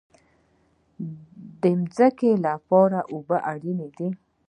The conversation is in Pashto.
د ځمکې لپاره اوبه اړین دي